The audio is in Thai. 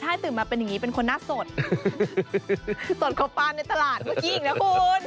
ใช่ตื่นมาเป็นอย่างนี้เป็นคนหน้าสดสดกว่าปลาในตลาดเมื่อกี้อีกนะคุณ